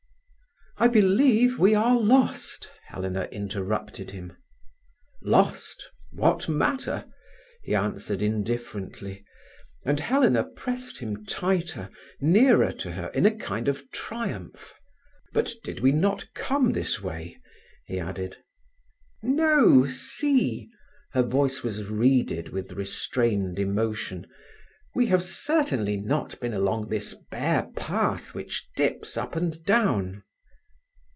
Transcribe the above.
"I believe we are lost!" Helena interrupted him. "Lost! What matter!" he answered indifferently, and Helena pressed him tighter, hearer to her in a kind of triumph. "But did we not come this way?" he added. "No. See"—her voice was reeded with restrained emotion—"we have certainly not been along this bare path which dips up and down."